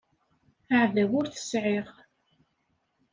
Aεdaw ur t-sεiɣ.